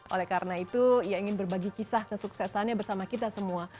oleh karena itu ia ingin berbagi kisah kesuksesannya bersama kita semua